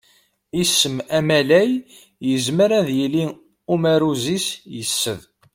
Isem amalay yezmer ad yili umaruz -is yessed.